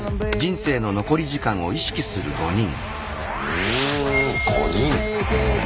うん５人。